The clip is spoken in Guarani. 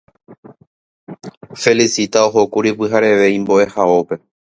Felicita ohókuri pyhareve imbo'ehaópe